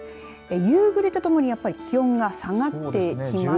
夕暮れとともにやっぱり気温が下がってきます。